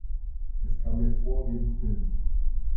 Es kam mir vor wie im Film.